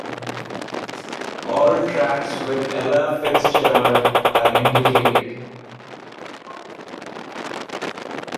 All tracks with Ella Fitzgerald are indicated.